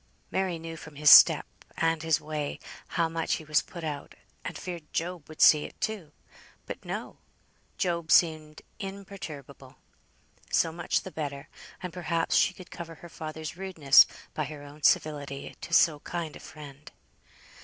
Mary knew from his step, and his way, how much he was put out, and feared Job would see it, too. But no! Job seemed imperturbable. So much the better, and perhaps she could cover her father's rudeness by her own civility to so kind a friend.